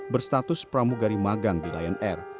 berstatus pramugari magang di lion air